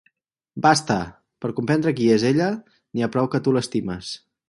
Basta! Per comprendre qui es ella, n'hi ha prou que tu l'estimes.